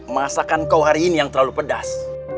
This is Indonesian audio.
masakan kau hari ini yang terlalu pedas